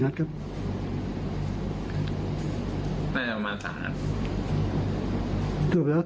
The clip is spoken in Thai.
ต้องขอโทษแล้วเพราะว่าผมไม่ตั้งใจมายิงเขา